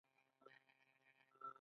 د تبې د ټیټولو لپاره د بید پاڼې وکاروئ